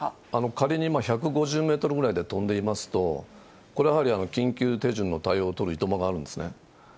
仮に１５０メートルぐらいで飛んでいますと、これ、やはり緊急手順の対応を取るいとまがあるんですね。